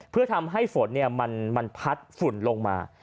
เพื่อทำให้ฝนมันพัดฝุ่นลงมา